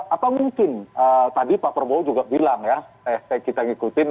atau mungkin tadi pak prabowo juga bilang ya kita ngikutin